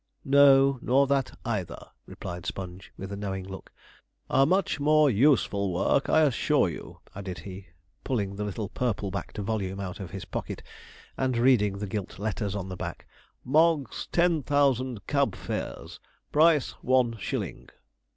'No, nor that either,' replied Sponge, with a knowing look; 'a much more useful work, I assure you,' added he, pulling the little purple backed volume out of his pocket, and reading the gilt letters on the back: 'Mogg's Ten Thousand Cab Fares. Price one shilling!'